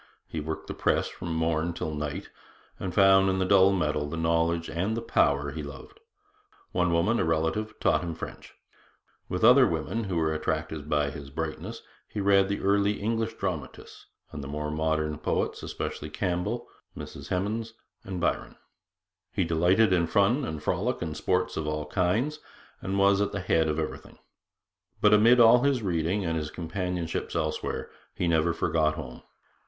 He worked the press from morn till night, and found in the dull metal the knowledge and the power he loved. One woman a relative taught him French. With other women, who were attracted by his brightness, he read the early English dramatists and the more modern poets, especially Campbell, Mrs Hemans, and Byron. He delighted in fun and frolic and sports of all kinds, and was at the head of everything. But amid all his reading and his companionships elsewhere, he never forgot home.